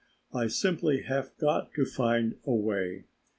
I simply have got to find a way."